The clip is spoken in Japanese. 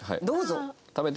どうぞ。